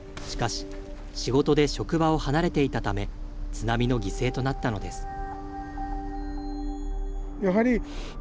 しかし、仕事で職場を離れていたため、津波の犠牲となったのです。